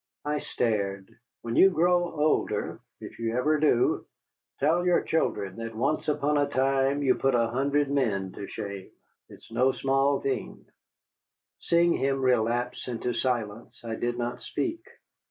I stared. "When you grow older, if you ever do, tell your children that once upon a time you put a hundred men to shame. It is no small thing." Seeing him relapse into silence, I did not speak.